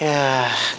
ya kasih tau boy